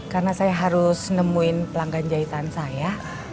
karena saya harus nemuin pelanggan jahitan saya